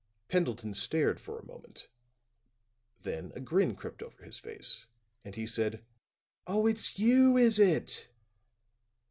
Pendleton stared for a moment; then a grin crept over his face and he said: "Oh, it's you, is it?"